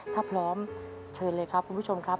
ถ้าพร้อมเชิญเลยครับคุณผู้ชมครับ